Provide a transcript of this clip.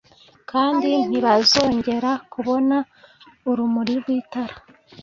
kandi ntibazongera kubona urumuri rw’itara